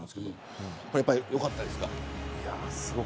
よかったですか。